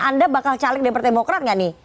anda bakal caleg partai demokrat gak nih